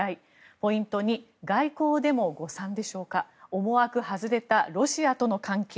ポイント２外交でも誤算でしょうか思惑外れたロシアとの関係。